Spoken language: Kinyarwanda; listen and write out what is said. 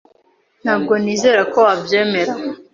Ntabwo nizera ko wabyemera.